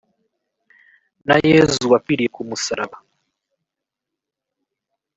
na yezu wapfiriye ku musaraba